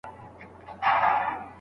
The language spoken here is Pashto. بریالي کسان به خپلي تېروتني سموي.